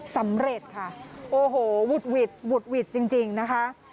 สำเร็จค่ะโอ้โหวุดหวิดวุดหวิดจริงนะคะ